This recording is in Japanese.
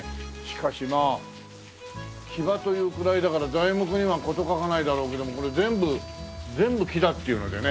しかしまあ木場というくらいだから材木には事欠かないだろうけどもこれ全部全部木だっていうのでね。